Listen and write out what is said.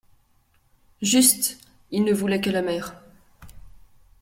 «, Juste ! il ne voulait que la mère.